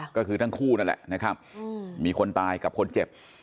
ก็คือทั้งคู่นั่นแหละนะครับมีคนตายกับคนเจ็บ